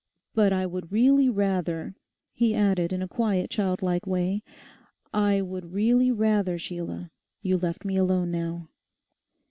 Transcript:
'But I would really rather,' he added in a quiet childlike way, 'I would really rather, Sheila, you left me alone now.